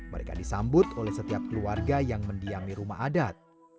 mereka disambut oleh setiap keluarga yang mendiami rumah adat